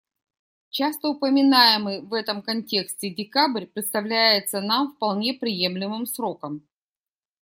Часто упоминаемый в этом контексте декабрь представляется нам вполне приемлемым сроком.